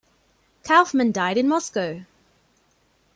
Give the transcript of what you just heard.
Kaufman died in Moscow.